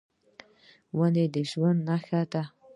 ونې د ژوند نښه ده.